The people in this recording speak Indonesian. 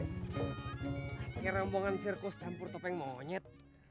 kayak rombongan sirkus campur topeng monyet